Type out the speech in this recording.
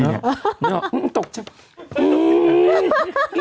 นี่เหรอตกใจ